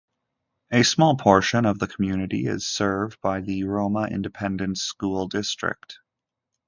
A small portion of the community is served by the Roma Independent School District.